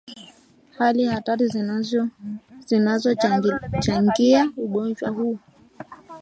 Hali hatari zinazochangia ugonjwa huu